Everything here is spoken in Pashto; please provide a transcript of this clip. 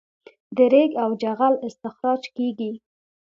د ریګ او جغل استخراج کیږي